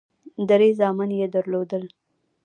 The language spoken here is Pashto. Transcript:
درې زامن یې درلودل.